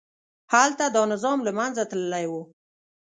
هلته دا نظام له منځه تللي وو.